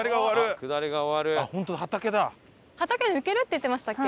畑抜けるって言ってましたっけ？